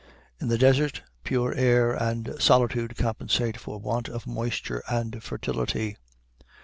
In the desert, pure air and solitude compensate for want of moisture and fertility.